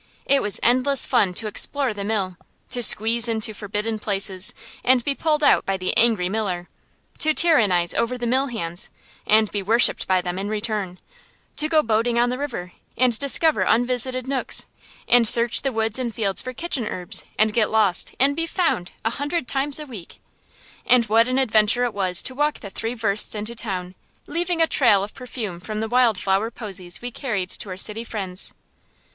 It was endless fun to explore the mill; to squeeze into forbidden places, and be pulled out by the angry miller; to tyrannize over the mill hands, and be worshipped by them in return; to go boating on the river, and discover unvisited nooks, and search the woods and fields for kitchen herbs, and get lost, and be found, a hundred times a week. And what an adventure it was to walk the three versts into town, leaving a trail of perfume from the wild flower posies we carried to our city friends!